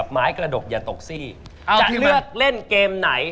และเกมจรวดฉันจะเลือกเล่นเกมไหน